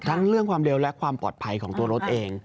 เรื่องความเร็วและความปลอดภัยของตัวรถเอง